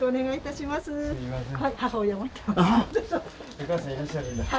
お母さんいらっしゃるんだ。